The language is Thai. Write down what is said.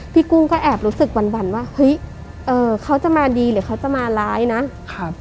พี่กุ้งก็แอบรู้สึกวันว่าเฮ้ยเขาจะมาดีหรือเขาจะมาร้ายนะ